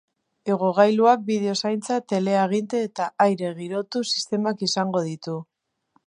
Igogailuak bideo-zaintza, teleaginte eta aire girotu sistemak izango ditu.